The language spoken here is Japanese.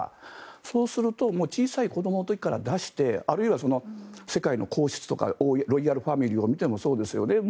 そうすると小さい子どもの時から出してあるいは世界の皇室とかロイヤルファミリーを見てもそうですよね。